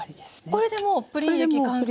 これでもうプリン液完成。